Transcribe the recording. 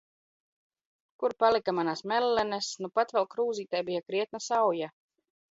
Kur palika manas mellenes?! Nupat vēl krūzītē bija krietna sauja!